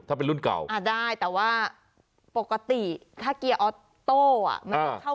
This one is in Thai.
ถ้าเป็นรุ่นเก่าอ่าได้แต่ว่าปกติถ้าเกียร์ออโต้อ่ะมันจะเข้า